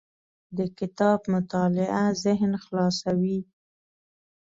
د کتاب مطالعه ذهن خلاصوي.